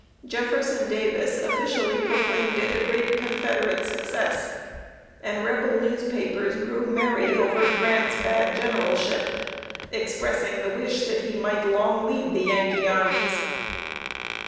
Jefferson Davis officially proclaimed it a great Confederate success, and Rebel newspapers grew merry over Grant's bad generalship, expressing the wish that he might long lead the Yankee armies!